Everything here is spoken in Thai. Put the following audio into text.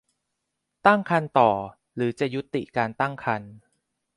ตั้งครรภ์ต่อหรือจะยุติการตั้งครรภ์